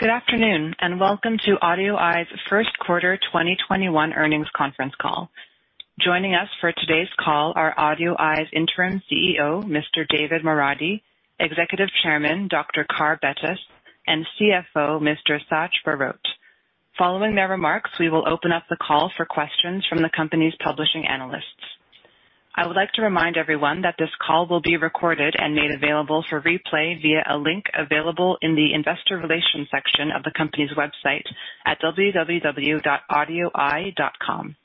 Good afternoon, welcome to AudioEye's first quarter 2021 earnings conference call. Joining us for today's call are AudioEye's Interim CEO, Mr. David Moradi, Executive Chairman, Dr. Carr Bettis, and CFO, Mr. Sach Barot. Following their remarks, we will open up the call for questions from the company's publishing analysts. I would like to remind everyone that this call will be recorded and made available for replay via a link available in the investor relations section of the company's website at www.audioeye.com.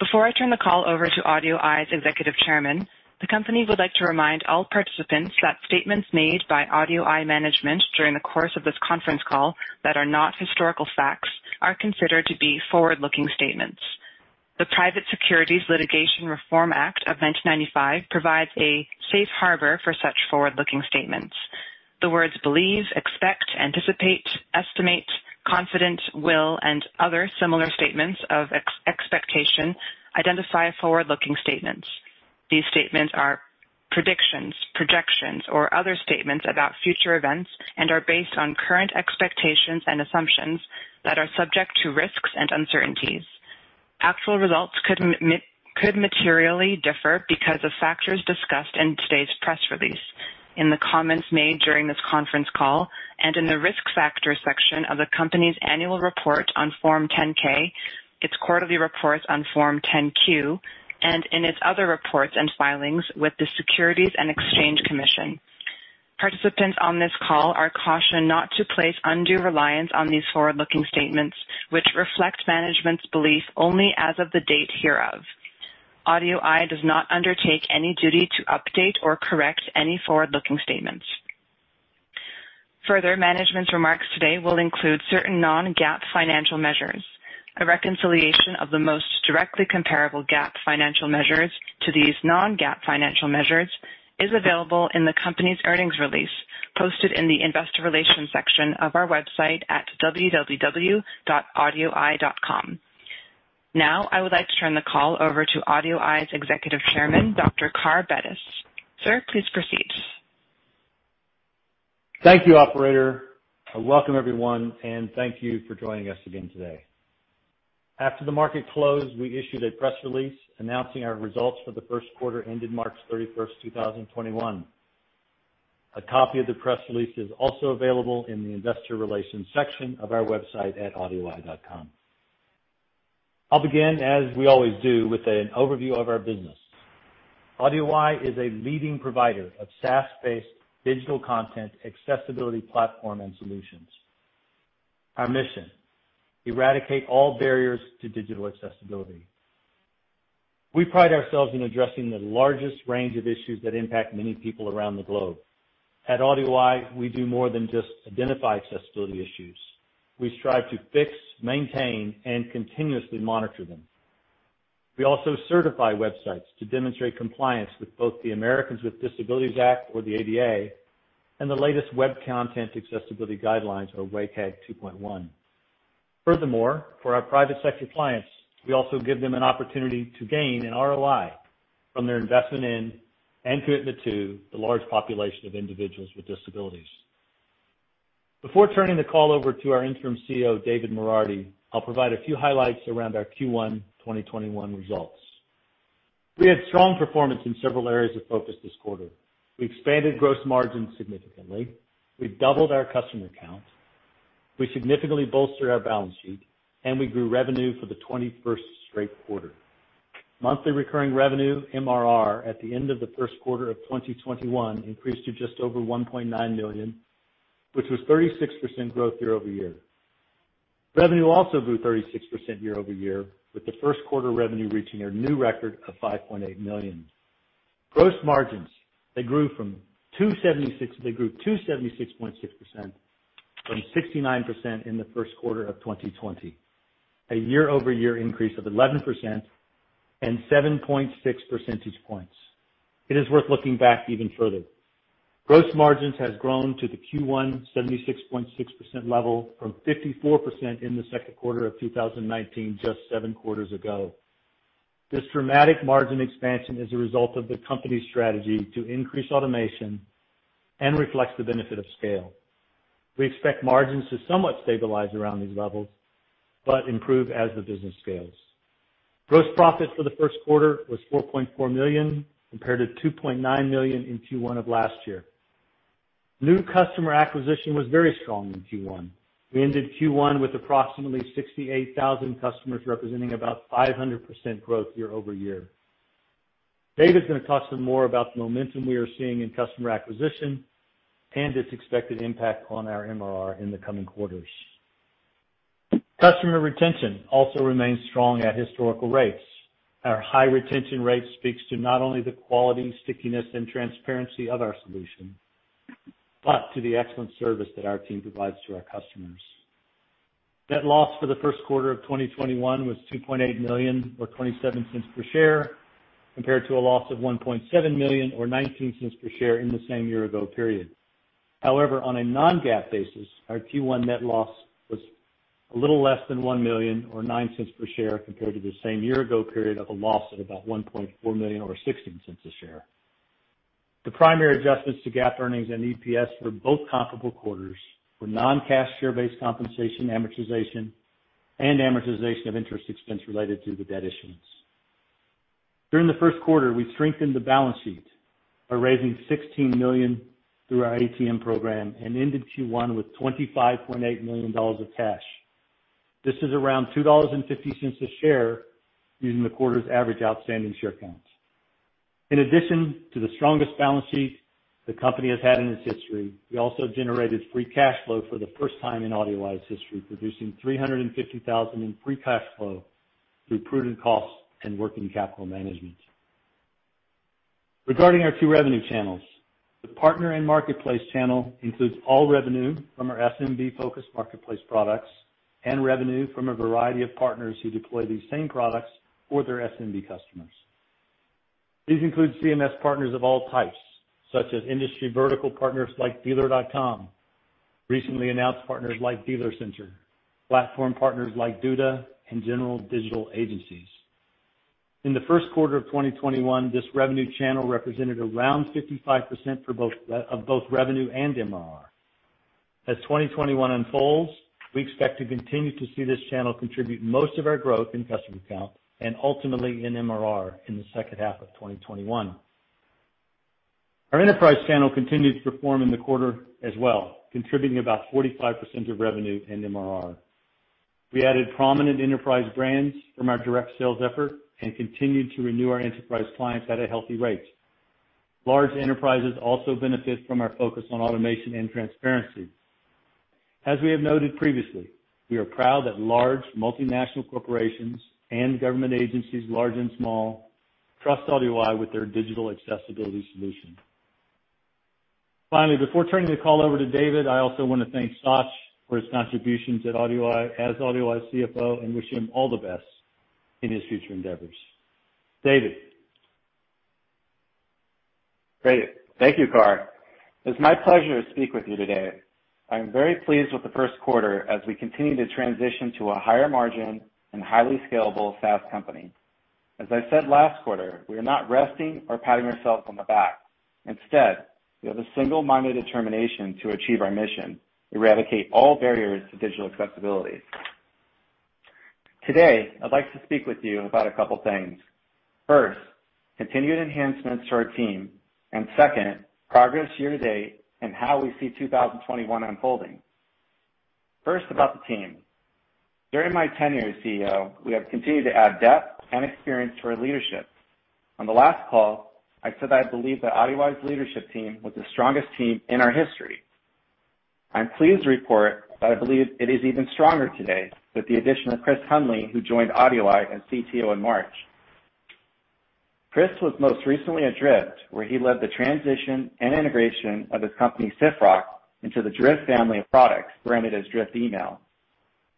Before I turn the call over to AudioEye's Executive Chairman, the company would like to remind all participants that statements made by AudioEye management during the course of this conference call that are not historical facts are considered to be forward-looking statements. The Private Securities Litigation Reform Act of 1995 provides a safe harbor for such forward-looking statements. The words "believe," "expect," "anticipate," "estimate," "confident," "will," and other similar statements of expectation identify forward-looking statements. These statements are predictions, projections, or other statements about future events and are based on current expectations and assumptions that are subject to risks and uncertainties. Actual results could materially differ because of factors discussed in today's press release, in the comments made during this conference call, and in the risk factor section of the company's annual report on Form 10-K, its quarterly reports on Form 10-Q, and in its other reports and filings with the Securities and Exchange Commission. Participants on this call are cautioned not to place undue reliance on these forward-looking statements, which reflect management's belief only as of the date hereof. AudioEye does not undertake any duty to update or correct any forward-looking statements. Further, management's remarks today will include certain non-GAAP financial measures. A reconciliation of the most directly comparable GAAP financial measures to these non-GAAP financial measures is available in the company's earnings release posted in the investor relations section of our website at www.audioeye.com. I would like to turn the call over to AudioEye's Executive Chairman, Dr. Carr Bettis. Sir, please proceed. Thank you, operator. Welcome, everyone, and thank you for joining us again today. After the market closed, we issued a press release announcing our results for the first quarter ended March 31st, 2021. A copy of the press release is also available in the investor relations section of our website at audioeye.com. I'll begin, as we always do, with an overview of our business. AudioEye is a leading provider of SaaS-based digital content accessibility platform and solutions. Our mission: eradicate all barriers to digital accessibility. We pride ourselves in addressing the largest range of issues that impact many people around the globe. At AudioEye, we do more than just identify accessibility issues. We strive to fix, maintain, and continuously monitor them. We also certify websites to demonstrate compliance with both the Americans with Disabilities Act, or the ADA, and the latest Web Content Accessibility Guidelines, or WCAG 2.1. Furthermore, for our private sector clients, we also give them an opportunity to gain an ROI from their investment in and commitment to the large population of individuals with disabilities. Before turning the call over to our Interim CEO, David Moradi, I'll provide a few highlights around our Q1 2021 results. We had strong performance in several areas of focus this quarter. We expanded gross margin significantly. We've doubled our customer count. We significantly bolstered our balance sheet, and we grew revenue for the 21st straight quarter. Monthly recurring revenue, MRR, at the end of the first quarter of 2021 increased to just over $1.9 million, which was 36% growth year-over-year. Revenue also grew 36% year-over-year, with the first quarter revenue reaching a new record of $5.8 million. Gross margins, they grew to 76.6% from 69% in the first quarter of 2020, a year-over-year increase of 11% and 7.6 percentage points. It is worth looking back even further. Gross margins has grown to the Q1 76.6% level from 54% in the second quarter of 2019, just seven quarters ago. This dramatic margin expansion is a result of the company's strategy to increase automation and reflects the benefit of scale. We expect margins to somewhat stabilize around these levels, but improve as the business scales. Gross profit for the first quarter was $4.4 million, compared to $2.9 million in Q1 of last year. New customer acquisition was very strong in Q1. We ended Q1 with approximately 68,000 customers, representing about 500% growth year-over-year. David's going to talk some more about the momentum we are seeing in customer acquisition and its expected impact on our MRR in the coming quarters. Customer retention also remains strong at historical rates. Our high retention rate speaks to not only the quality, stickiness, and transparency of our solution, but to the excellent service that our team provides to our customers. Net loss for the first quarter of 2021 was $2.8 million, or $0.27 per share, compared to a loss of $1.7 million or $0.19 per share in the same year-ago period. On a non-GAAP basis, our Q1 net loss was a little less than $1 million or $0.09 per share compared to the same year-ago period of a loss of about $1.4 million or $0.16 per share. The primary adjustments to GAAP earnings and EPS for both comparable quarters were non-cash share-based compensation amortization and amortization of interest expense related to the debt issuance. During the first quarter, we strengthened the balance sheet by raising $16 million through our ATM program and ended Q1 with $25.8 million of cash. This is around $2.50 a share using the quarter's average outstanding share counts. In addition to the strongest balance sheet the company has had in its history, we also generated free cash flow for the first time in AudioEye's history, producing $350,000 in free cash flow through prudent cost and working capital management. Regarding our two revenue channels, the partner and marketplace channel includes all revenue from our SMB-focused marketplace products and revenue from a variety of partners who deploy these same products for their SMB customers. These include CMS partners of all types, such as industry vertical partners like Dealer.com, recently announced partners like DealerCenter, platform partners like Duda, and general digital agencies. In the first quarter of 2021, this revenue channel represented around 55% of both revenue and MRR. As 2021 unfolds, we expect to continue to see this channel contribute most of our growth in customer count and ultimately in MRR in the second half of 2021. Our enterprise channel continued to perform in the quarter as well, contributing about 45% of revenue and MRR. We added prominent enterprise brands from our direct sales effort and continued to renew our enterprise clients at a healthy rate. Large enterprises also benefit from our focus on automation and transparency. As we have noted previously, we are proud that large multinational corporations and government agencies, large and small, trust AudioEye with their digital accessibility solution. Finally, before turning the call over to David, I also want to thank Sach for his contributions as AudioEye's CFO and wish him all the best in his future endeavors. David. Great. Thank you, Carr. It's my pleasure to speak with you today. I'm very pleased with the first quarter as we continue to transition to a higher margin and highly scalable SaaS company. As I said last quarter, we are not resting or patting ourselves on the back. Instead, we have a single-minded determination to achieve our mission: eradicate all barriers to digital accessibility. Today, I'd like to speak with you about a couple of things. First, continued enhancements to our team, and second, progress year-to-date and how we see 2021 unfolding. First, about the team. During my tenure as CEO, we have continued to add depth and experience to our leadership. On the last call, I said I believe that AudioEye's leadership team was the strongest team in our history. I'm pleased to report that I believe it is even stronger today with the addition of Chris Hundley, who joined AudioEye as CTO in March. Chris was most recently at Drift, where he led the transition and integration of his company, Siftrock, into the Drift family of products, branded as Drift Email.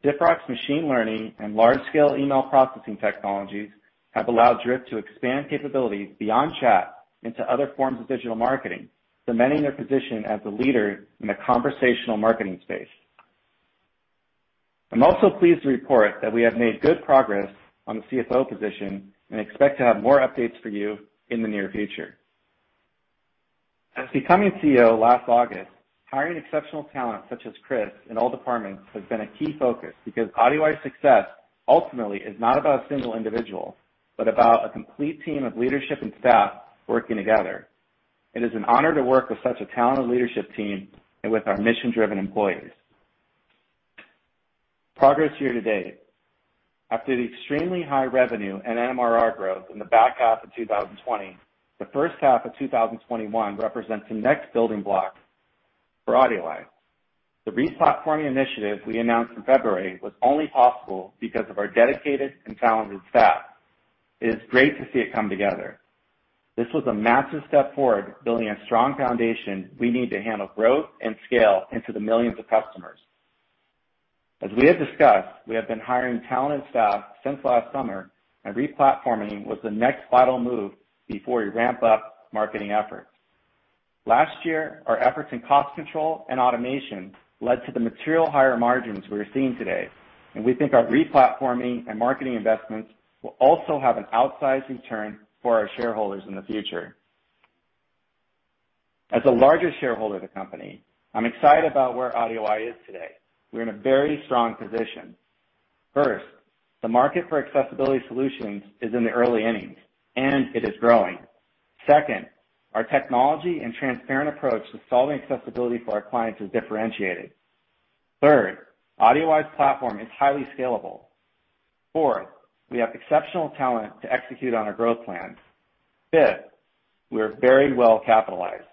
Siftrock machine learning and large-scale email processing technologies have allowed Drift to expand capabilities beyond chat into other forms of digital marketing, cementing their position as a leader in the conversational marketing space. I'm also pleased to report that we have made good progress on the CFO position and expect to have more updates for you in the near future. Since becoming CEO last August, hiring exceptional talent such as Chris in all departments has been a key focus because AudioEye's success ultimately is not about a single individual, but about a complete team of leadership and staff working together. It is an honor to work with such a talented leadership team and with our mission-driven employees. Progress year-to-date. After the extremely high revenue and MRR growth in the back half of 2020, the first half of 2021 represents the next building block for AudioEye. The re-platforming initiative we announced in February was only possible because of our dedicated and talented staff. It is great to see it come together. This was a massive step forward building a strong foundation we need to handle growth and scale into the millions of customers. As we have discussed, we have been hiring talented staff since last summer, and re-platforming was the next vital move before we ramp up marketing efforts. Last year, our efforts in cost control and automation led to the material higher margins we are seeing today, and we think our re-platforming and marketing investments will also have an outsized return for our shareholders in the future. As the largest shareholder of the company, I'm excited about where AudioEye is today. We're in a very strong position. First, the market for accessibility solutions is in the early innings, and it is growing. Second, our technology and transparent approach to solving accessibility for our clients is differentiated. Third, AudioEye's platform is highly scalable. Fourth, we have exceptional talent to execute on our growth plans. Fifth, we are very well capitalized.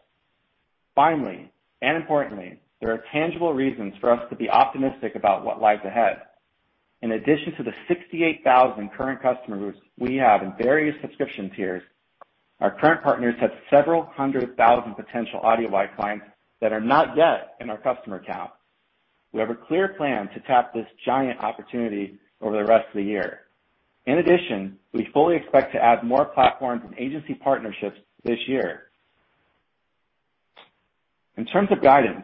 Importantly, there are tangible reasons for us to be optimistic about what lies ahead. In addition to the 68,000 current customers we have in various subscription tiers, our current partners have several hundred thousand potential AudioEye clients that are not yet in our customer count. We have a clear plan to tap this giant opportunity over the rest of the year. In addition, we fully expect to add more platforms and agency partnerships this year. In terms of guidance,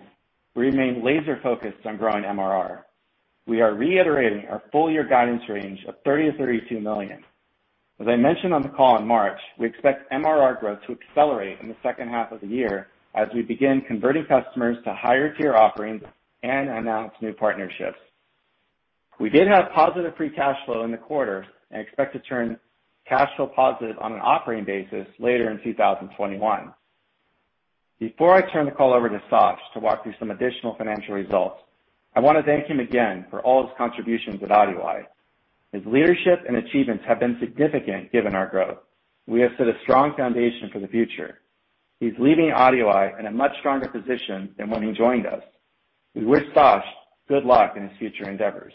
we remain laser-focused on growing MRR. We are reiterating our full-year guidance range of $30 million-$32 million. As I mentioned on the call in March, we expect MRR growth to accelerate in the second half of the year as we begin converting customers to higher tier offerings and announce new partnerships. We did have positive free cash flow in the quarter and expect to turn cash flow positive on an operating basis later in 2021. Before I turn the call over to Sach to walk through some additional financial results, I want to thank him again for all his contributions with AudioEye. His leadership and achievements have been significant given our growth. We have set a strong foundation for the future. He's leaving AudioEye in a much stronger position than when he joined us. We wish Sach good luck in his future endeavors.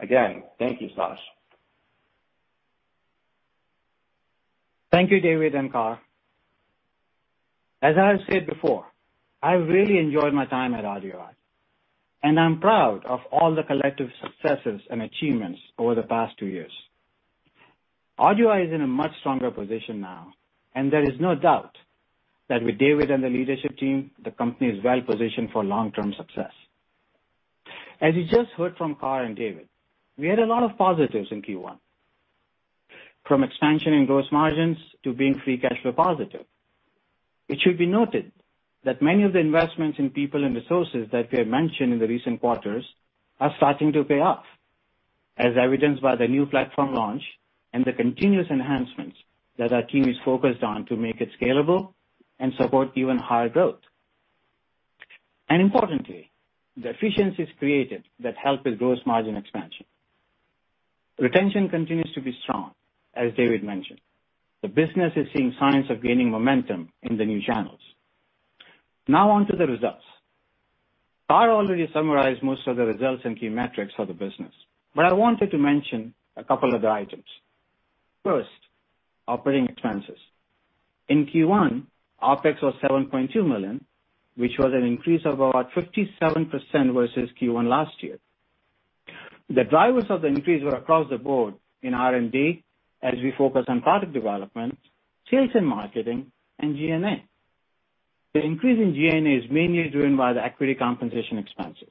Again, thank you, Sach. Thank you, David and Carr Bettis. As I said before, I really enjoyed my time at AudioEye, and I'm proud of all the collective successes and achievements over the past two years. AudioEye is in a much stronger position now, and there is no doubt that with David and the leadership team, the company is well positioned for long-term success. As you just heard from Carr Bettis and David, we had a lot of positives in Q1, from expansion in gross margins to being free cash flow positive. It should be noted that many of the investments in people and resources that we have mentioned in the recent quarters are starting to pay off, as evidenced by the new platform launch and the continuous enhancements that our team is focused on to make it scalable and support even higher growth. Importantly, the efficiencies created that help with gross margin expansion. Retention continues to be strong, as David mentioned. The business is seeing signs of gaining momentum in the new channels. On to the results. Carr Bettis already summarized most of the results and key metrics of the business, but I wanted to mention a couple other items. First, operating expenses. In Q1, OpEx was $7.2 million, which was an increase of about 57% versus Q1 last year. The drivers of the increase were across the board in R&D, as we focus on product development, sales and marketing, and G&A. The increase in G&A is mainly driven by the equity compensation expenses.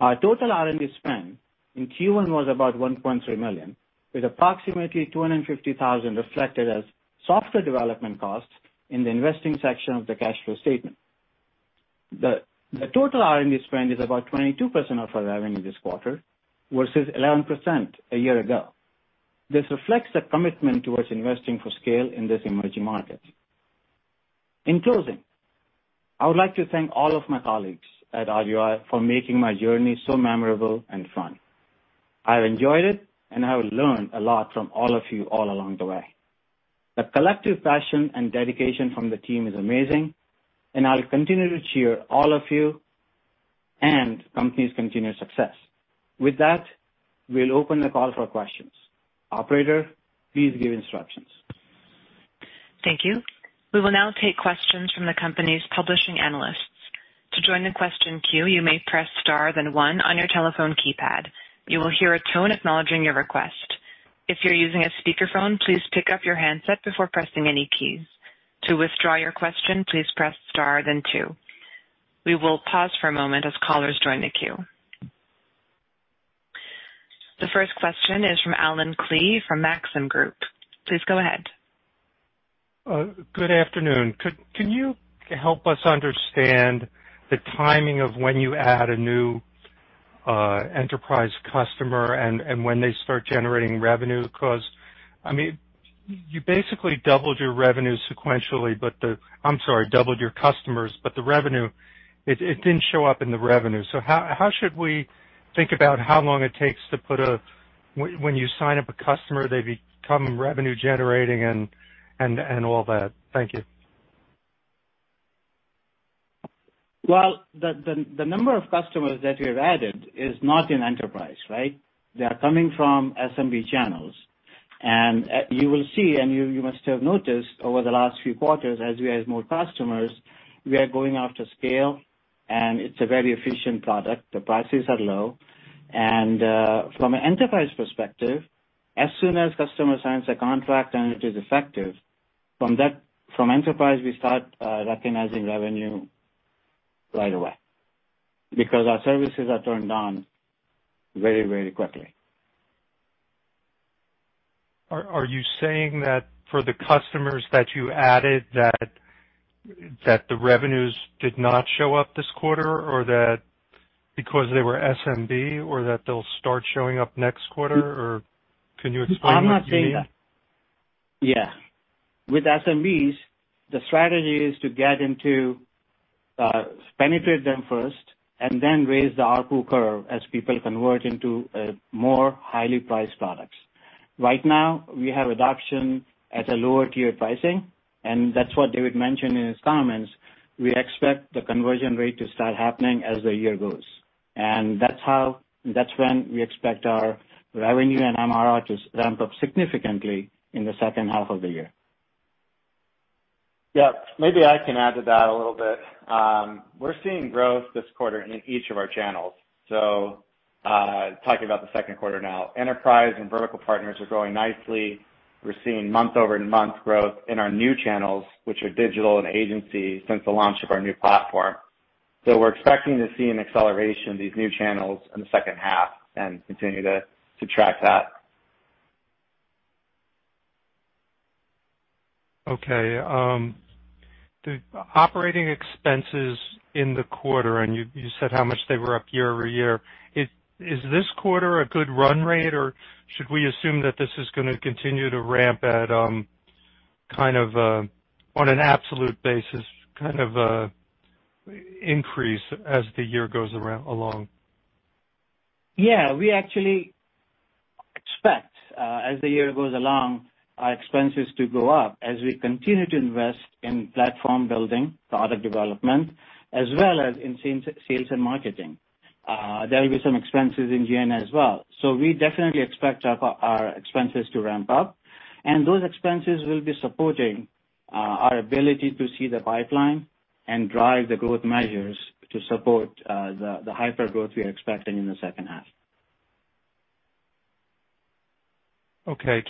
Our total R&D spend in Q1 was about $1.3 million, with approximately $250,000 reflected as software development costs in the investing section of the cash flow statement. The total R&D spend is about 22% of our revenue this quarter, versus 11% a year ago. This reflects the commitment towards investing for scale in this emerging market. In closing, I would like to thank all of my colleagues at AudioEye for making my journey so memorable and fun. I've enjoyed it, and I have learned a lot from all of you all along the way. The collective passion and dedication from the team is amazing, and I'll continue to cheer all of you and the company's continued success. With that, we'll open the call for questions. Operator, please give instructions. Thank you. We will now take questions from the company's publishing analysts. To join the question queue, you may press star, then one on your telephone keypad. You will hear a tone acknowledging your request. If you're using a speakerphone, please pick up your handset before pressing any keys. To withdraw your question, please press star, then two. We will pause for a moment as callers join the queue. The first question is from Allen Klee from Maxim Group. Please go ahead. Good afternoon. Can you help us understand the timing of when you add a new enterprise customer and when they start generating revenue? You basically doubled your revenue sequentially, but I'm sorry, doubled your customers, but the revenue, it didn't show up in the revenue. How should we think about how long it takes When you sign up a customer, they become revenue generating and all that? Thank you. The number of customers that we have added is not in enterprise, right? They are coming from SMB channels. You will see, and you must have noticed over the last few quarters, as we add more customers, we are going after scale, and it's a very efficient product. The prices are low. From an enterprise perspective, as soon as customer signs a contract and it is effective, from enterprise, we start recognizing revenue right away because our services are turned on very quickly. Are you saying that for the customers that you added that the revenues did not show up this quarter, or that because they were SMB, or that they'll start showing up next quarter? Can you explain what you mean? I'm not saying that. Yeah. With SMBs, the strategy is to penetrate them first, and then raise the ARPU curve as people convert into more highly priced products. Right now, we have adoption at a lower tier pricing, and that's what David mentioned in his comments. We expect the conversion rate to start happening as the year goes. That's when we expect our revenue and MRR to ramp up significantly in the second half of the year. Yeah. Maybe I can add to that a little bit. We're seeing growth this quarter in each of our channels. Talking about the second quarter now. Enterprise and vertical partners are growing nicely. We're seeing month-over-month growth in our new channels, which are digital and agency, since the launch of our new platform. We're expecting to see an acceleration of these new channels in the second half and continue to track that. Okay. The operating expenses in the quarter, and you said how much they were up year-over-year. Is this quarter a good run rate, or should we assume that this is going to continue to ramp on an absolute basis, kind of increase as the year goes along? Yeah. We actually expect, as the year goes along, our expenses to go up as we continue to invest in platform building, product development, as well as in sales and marketing. There'll be some expenses in G&A as well. We definitely expect our expenses to ramp up, and those expenses will be supporting our ability to see the pipeline and drive the growth measures to support the hyper-growth we are expecting in the second half. Okay.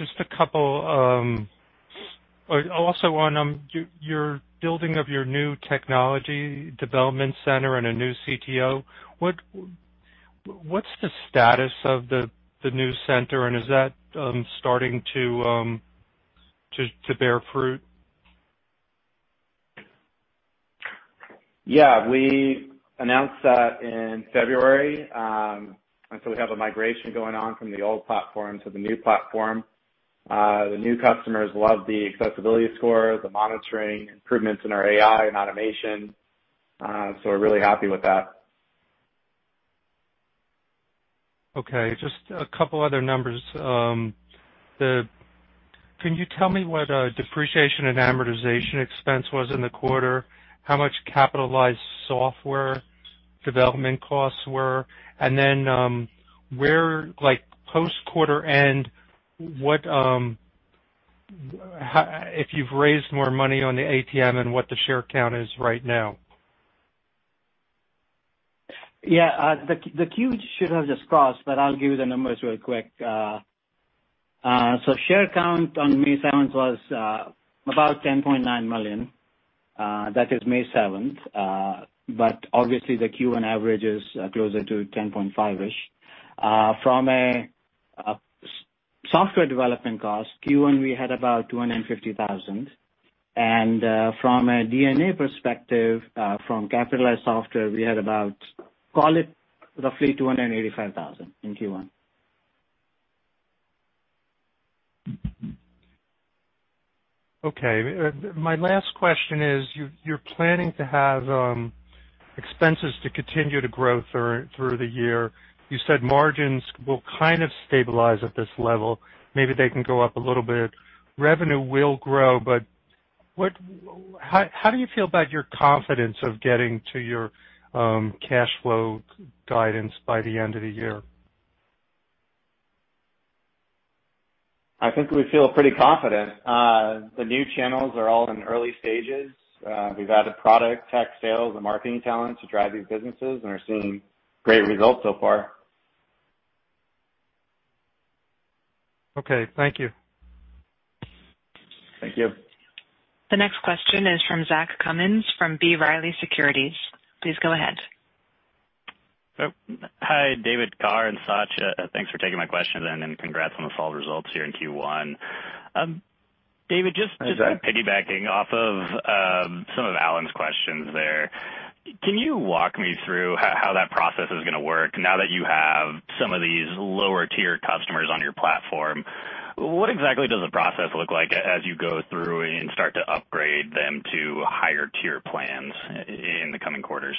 Also, on your building of your new technology development center and a new CTO, what's the status of the new center, and is that starting to bear fruit? Yeah. We announced that in February. We have a migration going on from the old platform to the new platform. The new customers love the accessibility score, the monitoring improvements in our AI and automation. We're really happy with that. Okay. Just a couple other numbers. Can you tell me what Depreciation and Amortization expense was in the quarter, how much capitalized software development costs were, and then post quarter end, if you've raised more money on the ATM and what the share count is right now? Yeah. The Form 10-Q should have just crossed, but I'll give you the numbers real quick. Share count on May 7th was about 10.9 million. That is May 7th. Obviously, the Q1 average is closer to $10.5 million-ish. From a software development cost, Q1, we had about $250,000. From a D&A perspective, from capitalized software, we had about, call it roughly $285,000 in Q1. Okay. My last question is, you're planning to have expenses to continue to grow through the year. You said margins will kind of stabilize at this level. Maybe they can go up a little bit. How do you feel about your confidence of getting to your cash flow guidance by the end of the year? I think we feel pretty confident. The new channels are all in early stages. We've added product, tech sales, and marketing talent to drive these businesses, and are seeing great results so far. Okay. Thank you. Thank you. The next question is from Zach Cummins from B. Riley Securities. Please go ahead. Hi, David, Carr and Sach, thanks for taking my questions, and congrats on the solid results here in Q1. Hi, Zach. David, just piggybacking off of some of Allen's questions there, can you walk me through how that process is going to work now that you have some of these lower-tier customers on your platform? What exactly does the process look like as you go through and start to upgrade them to higher-tier plans in the coming quarters?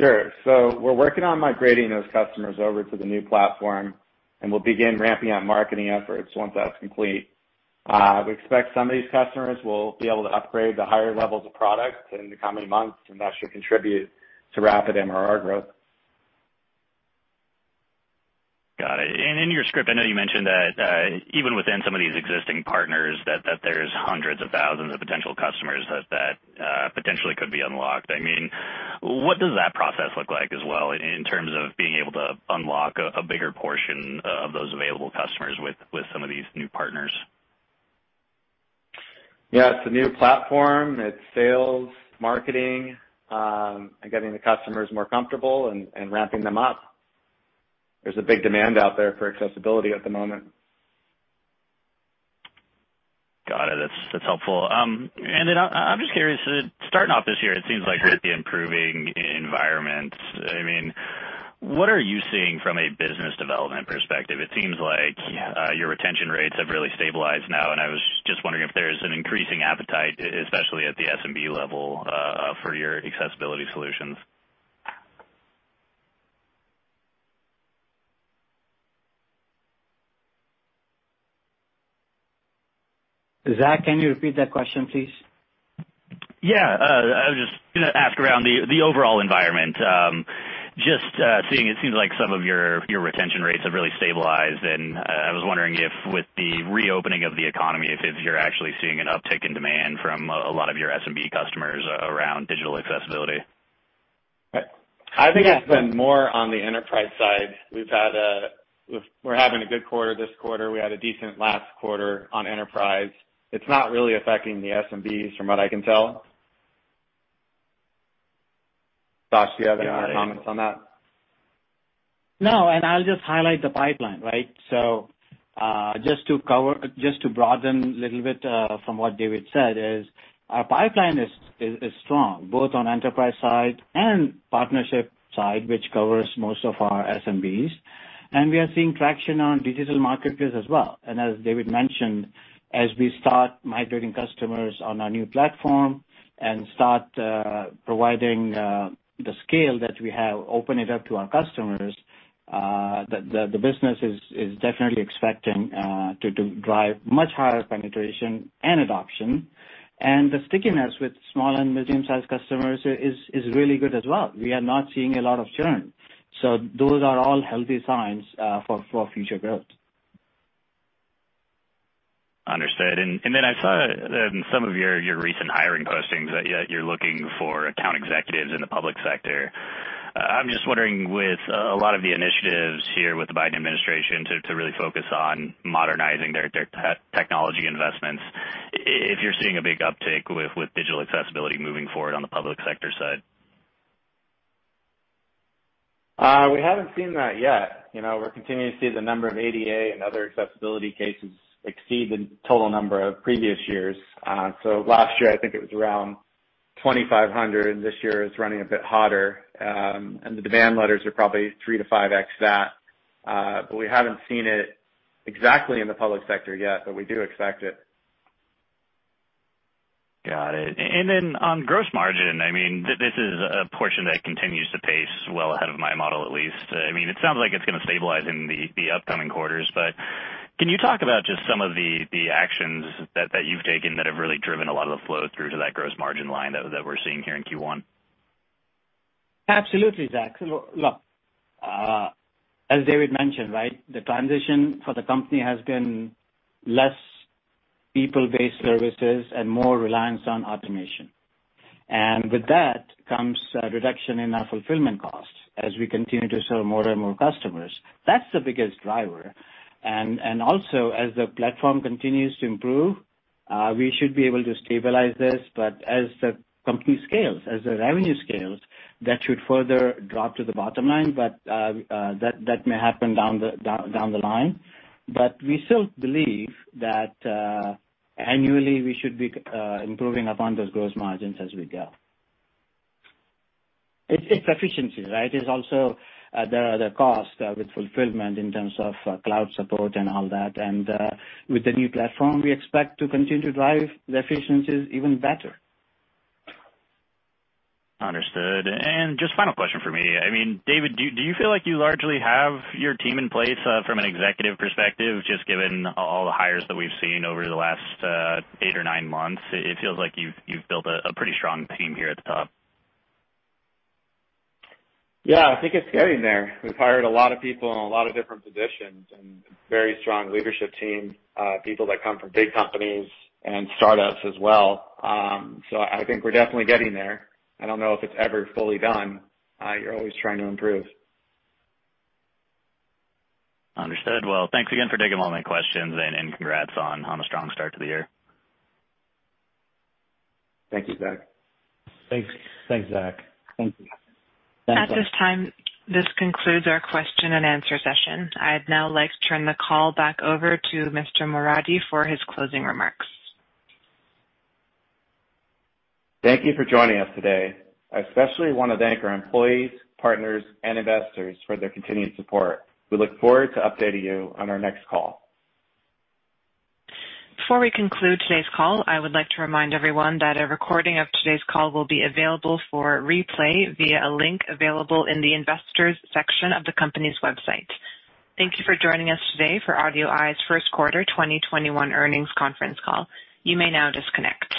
Sure. We're working on migrating those customers over to the new platform, and we'll begin ramping up marketing efforts once that's complete. We expect some of these customers will be able to upgrade to higher levels of product in the coming months, and that should contribute to rapid MRR growth. Got it. In your script, I know you mentioned that even within some of these existing partners, that there's hundreds of thousands of potential customers that potentially could be unlocked. What does that process look like as well, in terms of being able to unlock a bigger portion of those available customers with some of these new partners? Yeah. It's a new platform. It's sales, marketing, and getting the customers more comfortable and ramping them up. There's a big demand out there for accessibility at the moment. Got it. That's helpful. I'm just curious, starting off this year, it seems like with the improving environment, what are you seeing from a business development perspective? It seems like your retention rates have really stabilized now, and I was just wondering if there's an increasing appetite, especially at the SMB level, for your accessibility solutions. Zach, can you repeat that question, please? Yeah, I was just going to ask around the overall environment, just seeing, it seems like some of your retention rates have really stabilized, and I was wondering if with the reopening of the economy, if you're actually seeing an uptick in demand from a lot of your SMB customers around digital accessibility? I think it's been more on the enterprise side. We're having a good quarter this quarter. We had a decent last quarter on enterprise. It's not really affecting the SMBs from what I can tell. Sach, do you have any comments on that? No, I'll just highlight the pipeline, right? Just to broaden a little bit from what David said is our pipeline is strong, both on enterprise side and partnership side, which covers most of our SMBs. We are seeing traction on digital marketplaces as well. As David mentioned, as we start migrating customers on our new platform and start providing the scale that we have, open it up to our customers, the business is definitely expecting to drive much higher penetration and adoption. The stickiness with small and medium-sized customers is really good as well. We are not seeing a lot of churn. Those are all healthy signs for future growth. Understood. I saw in some of your recent hiring postings that you're looking for account executives in the public sector. I'm just wondering, with a lot of the initiatives here with the Biden Administration to really focus on modernizing their technology investments, if you're seeing a big uptick with digital accessibility moving forward on the public sector side. We haven't seen that yet. We're continuing to see the number of ADA and other accessibility cases exceed the total number of previous years. Last year, I think it was around 2,500, and this year it's running a bit hotter. The demand letters are probably 3x-5x that. We haven't seen it exactly in the public sector yet, but we do expect it. Got it. On gross margin, this is a portion that continues to pace well ahead of my model, at least. It sounds like it's going to stabilize in the upcoming quarters. Can you talk about just some of the actions that you've taken that have really driven a lot of the flow through to that gross margin line that we're seeing here in Q1? Absolutely, Zach. Look, as David mentioned, right, the transition for the company has been less people-based services and more reliance on automation. With that comes a reduction in our fulfillment costs as we continue to serve more and more customers. That's the biggest driver. Also as the platform continues to improve, we should be able to stabilize this. As the company scales, as the revenue scales, that should further drop to the bottom line. That may happen down the line. We still believe that annually we should be improving upon those gross margins as we go. It's efficiency, right? It's also the cost with fulfillment in terms of cloud support and all that. With the new platform, we expect to continue to drive the efficiencies even better. Understood. Just final question from me. David, do you feel like you largely have your team in place from an executive perspective, just given all the hires that we've seen over the last eight or nine months? It feels like you've built a pretty strong team here at the top. I think it's getting there. We've hired a lot of people in a lot of different positions, and very strong leadership team. People that come from big companies and startups as well. I think we're definitely getting there. I don't know if it's ever fully done. You're always trying to improve. Understood. Well, thanks again for taking all my questions, and congrats on a strong start to the year. Thank you, Zach. Thanks. Thanks, Zach. Thank you. At this time, this concludes our question and answer session. I'd now like to turn the call back over to Mr. Moradi for his closing remarks. Thank you for joining us today. I especially want to thank our employees, partners, and investors for their continued support. We look forward to updating you on our next call. Before we conclude today's call, I would like to remind everyone that a recording of today's call will be available for replay via a link available in the Investors section of the company's website. Thank you for joining us today for AudioEye's first quarter 2021 earnings conference call. You may now disconnect.